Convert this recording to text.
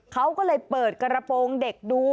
เขาก็เลยเปิดกระโปรงเด็กดู